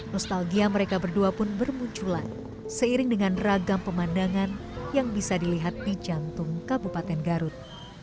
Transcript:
nostalgia mereka berdua pun bermunculan seiring dengan ragam pemandangan yang bisa dilihat di jantung kabupaten garut